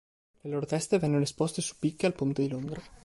Le loro teste vennero esposte su picche al Ponte di Londra.